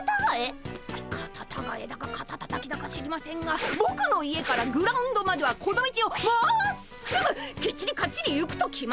カタタガエだかカタタタキだか知りませんがぼくの家からグラウンドまではこの道をまっすぐきっちりかっちり行くと決まってるんです！